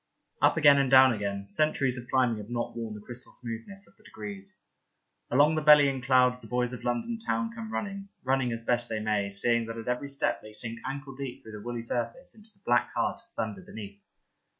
Up again and down again : centuries of climbing have not worn the crystal smoothness of the degrees. Along the bellying clouds the little boys of London Town come running, running as best they may, seeing that at every step they sink ankle deep through the woolly surface into the black heart of thunder beneath.